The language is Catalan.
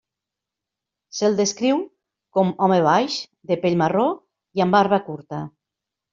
Se'l descriu com home baix, de pell marró i amb barba curta.